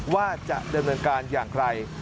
ว่าจะดำเนินการอย่างไร